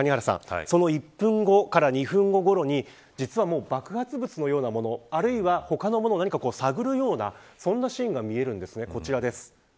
そんな中で、谷原さんその１分後から２分後ごろに実はもう爆発物のようなものあるいは他の物を探るようなそんなシーンが見えるんです。